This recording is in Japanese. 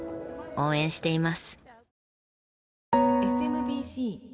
応援しています。